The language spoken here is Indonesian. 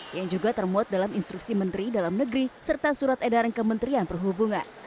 yang juga termuat dalam instruksi menteri dalam negeri serta surat edaran kementerian perhubungan